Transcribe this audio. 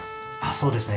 そうですね。